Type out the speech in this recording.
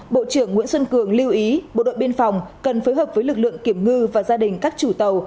bộ trưởng nguyễn xuân cường lưu ý bộ đội biên phòng cần phối hợp với lực lượng kiểm ngư và gia đình các chủ tàu